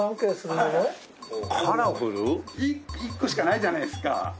１個しかないじゃないですか。